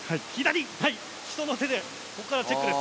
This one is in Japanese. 人の手でここからチェックです。